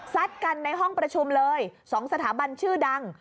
กันในห้องประชุมเลย๒สถาบันชื่อดัง